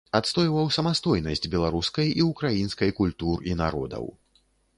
Адстойваў самастойнасць беларускай і ўкраінскай культур і народаў.